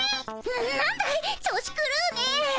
ななんだい調子くるうねぇ。